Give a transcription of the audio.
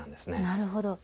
なるほど。